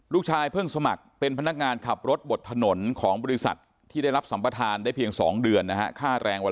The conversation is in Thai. เพิ่งสมัครเป็นพนักงานขับรถบดถนนของบริษัทที่ได้รับสัมปทานได้เพียง๒เดือนนะฮะค่าแรงวัน